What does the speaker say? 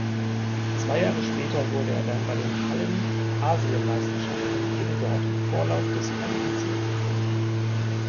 Zwei Jahre später wurde er dann bei den Hallenasienmeisterschaften ebendort im Vorlauf disqualifiziert.